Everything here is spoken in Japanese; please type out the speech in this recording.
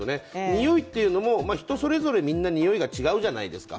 においっていうのも、人それぞれみんなにおいが違うじゃないですか。